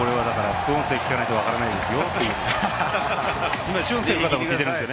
副音声聞かないと分からないです。